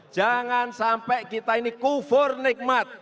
jangan sampai kita ini kufur nikmat